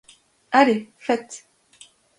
Allez, faites!